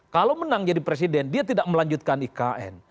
kalau menang jadi presiden dia tidak melanjutkan ikn